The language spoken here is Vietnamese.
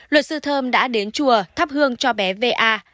luật sư thơm đã đến chùa thắp hương cho bé v a